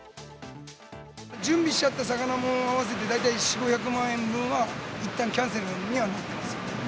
準備しちゃった魚も合わせて、大体４、５００万円分は、いったんキャンセルにはなってます。